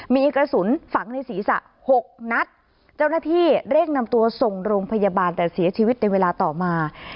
มีกระสุนฝังในศีรษะหกนัดเจ้าหน้าที่เร่งนำตัวส่งโรงพยาบาลแต่เสียชีวิตในเวลาต่อมา